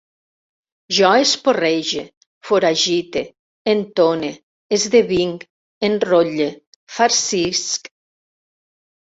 Jo esporrege, foragite, entone, esdevinc, enrotlle, farcisc